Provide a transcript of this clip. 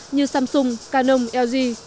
như samsung canon lg